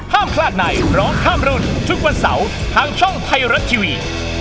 ห้ามพลาดในร้องข้ามรุ่นทุกวันเสาร์ทางช่องไทยรัฐทีวี